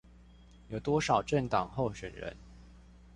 有多少政黨候選人